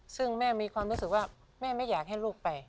ซึ่งแม่มีความรู้สึกว่าแม่ไม่อยากให้ลูกไป